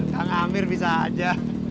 kang amir bisa aja